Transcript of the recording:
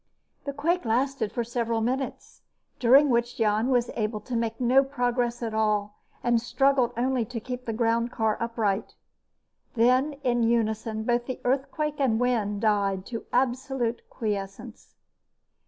The quake lasted for several minutes, during which Jan was able to make no progress at all and struggled only to keep the groundcar upright. Then, in unison, both earthquake and wind died to absolute quiescence.